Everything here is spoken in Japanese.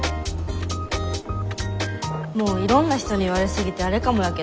もういろんな人に言われ過ぎてあれかもやけど。